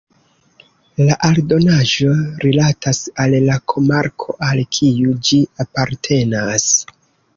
La aldonaĵo rilatas al la komarko al kiu ĝi apartenas.